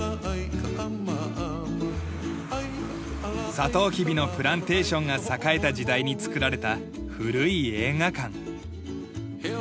サトウキビのプランテーションが栄えた時代に造られた古い映画館。